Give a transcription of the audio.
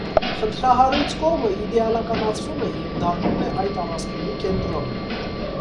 Խնդրահարույց կողմը իդեալականացվում է և դառնում է այդ առասպելի կենտրոնը։